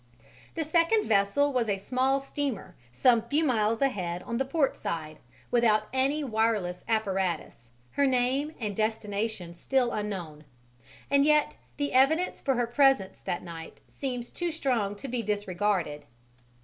The second vessel was a small steamer some few miles ahead on the port side, without any wireless apparatus, her name and destination still unknown; and yet the evidence for her presence that night seems too strong to be disregarded.